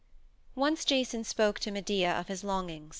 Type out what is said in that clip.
Once Jason spoke to Medea of his longing.